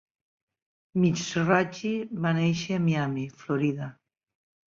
Mizrachi va néixer a Miami, Florida.